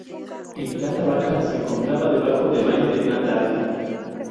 En planta baja se encontraba debajo del baño de planta alta.